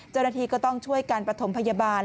เจ้าหน้าที่ก็ต้องช่วยการประถมพยาบาล